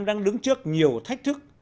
đang đứng trước nhiều thách thức